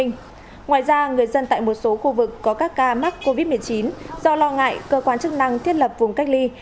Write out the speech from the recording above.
ngoài ra người dân tại một số khu vực có các ca mắc covid một mươi chín do lo ngại cơ quan chức năng thiết lập vùng cách ly